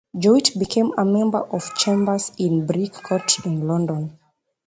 Jowitt became a member of chambers in Brick Court in London.